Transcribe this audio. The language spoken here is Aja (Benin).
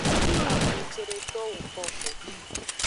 Avun cedeto woko go.